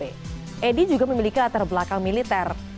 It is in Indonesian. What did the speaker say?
edi juga memiliki latar belakang militer